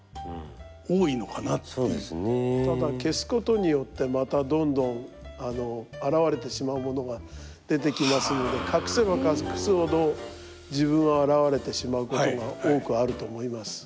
ただ消すことによってまたどんどんあらわれてしまうものが出てきますので隠せば隠すほど自分があらわれてしまうことが多くあると思います。